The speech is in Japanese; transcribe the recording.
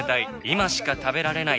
今しか食べられない